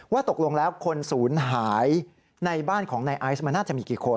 ตกลงแล้วคนศูนย์หายในบ้านของนายไอซ์มันน่าจะมีกี่คน